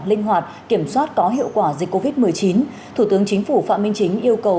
linh hoạt kiểm soát có hiệu quả dịch covid một mươi chín thủ tướng chính phủ phạm minh chính yêu cầu